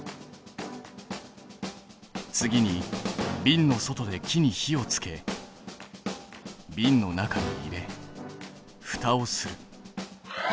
次にびんの外で木に火をつけびんの中に入れふたをする。